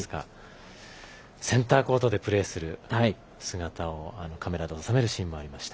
センターコートでプレーする姿をカメラで収めるシーンもありました。